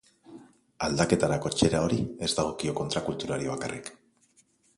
Aldaketarako txera hori ez dagokio kontrakulturari bakarrik.